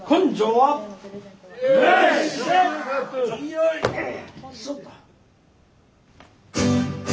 よいしょと。